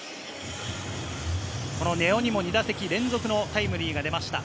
根尾にも２打席連続のタイムリーが出ました。